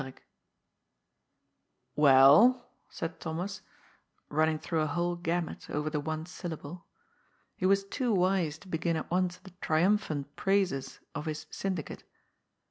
'*" Well ?" said Thomas, running through a whole gamut over the one syllable. He was too wise to begin at once the triumphant praises of his '' Syndicate."